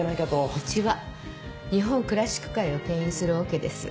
うちは日本クラシック界をけん引するオケです。